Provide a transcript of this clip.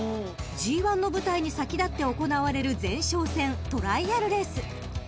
［ＧⅠの舞台に先立って行われる前哨戦トライアルレース］